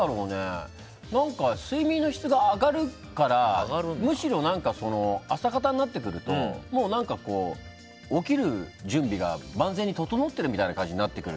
睡眠の質が上がるからむしろ、朝方になってくると起きる準備が万全に整っている感じになる。